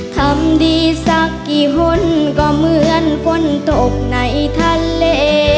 คำดีสักกี่คนก็เหมือนฝนตกในทะเล